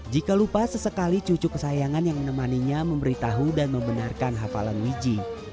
jika lupa sesekali cucu kesayangan yang menemaninya memberitahu dan membenarkan hafalan wiji